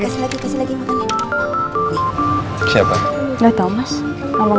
kasih lagi kasih lagi makan lagi